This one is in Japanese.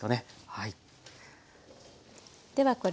はい。